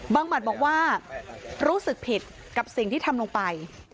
หมัดบอกว่ารู้สึกผิดกับสิ่งที่ทำลงไป